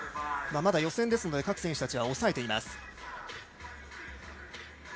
まだ予選なので各選手たち抑えています。